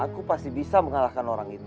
aku pasti bisa mengalahkan orang itu